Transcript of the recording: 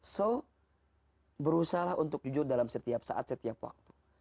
so berusahalah untuk jujur dalam setiap saat setiap waktu